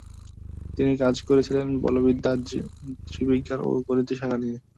তিনি কাজ করেছিলেন বলবিদ্যা, দৃগবিজ্ঞান ও গণিতের শাখা নিয়ে।